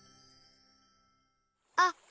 あっ！